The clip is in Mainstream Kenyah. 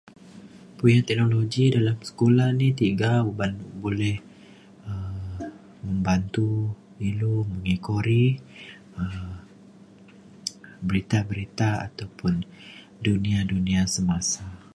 puyan teknologi dalem sekula ni tiga uban boleh um membantu ilu mengekori um berita berita ataupun dunia dunia semasa